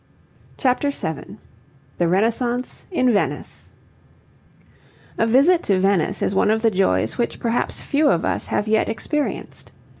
CHAPTER VII THE RENAISSANCE IN VENICE A visit to Venice is one of the joys which perhaps few of us have yet experienced.